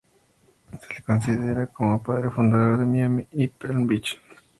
Se lo considera un padre fundador de Miami y de Palm Beach.